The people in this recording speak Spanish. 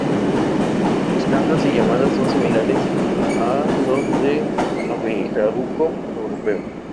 Sus cantos y llamadas son similares a los del abejaruco europeo.